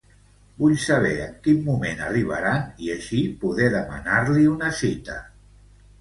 Vull saber en quin moment arribaran, i així poder demar-li una cita.